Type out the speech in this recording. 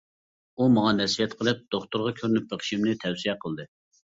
ئۇ ماڭا نەسىھەت قىلىپ، دوختۇرغا كۆرۈنۈپ بېقىشىمنى تەۋسىيە قىلدى.